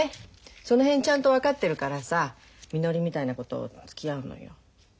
その辺ちゃんと分かってるからさみのりみたいな子とつきあうのよ。